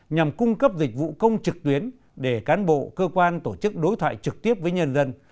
nhằm cung cấp dịch vụ công trực tuyến để cán bộ cơ quan tổ chức đối thoại trực tiếp với nhân dân